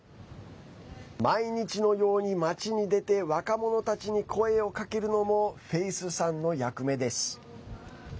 毎日のように街に出て若者たちに声をかけるのもフェイスさんの役目です。